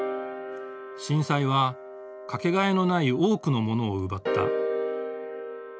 震災は掛けがえのない多くのものを奪った。